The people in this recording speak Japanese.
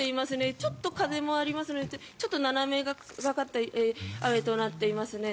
ちょっと風もありますので斜めがかった雨となっています。